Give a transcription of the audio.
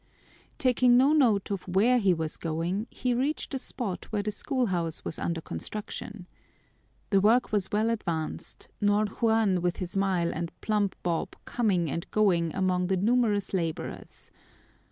Taking no note of where he was going, he reached the spot where the schoolhouse was under construction. The work was well advanced, Ñor Juan with his mile and plumb bob coming and going among the numerous laborers.